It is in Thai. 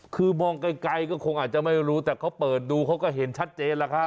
คือมองไกลก็คงอาจจะไม่รู้แต่เขาเปิดดูเขาก็เห็นชัดเจนแล้วครับ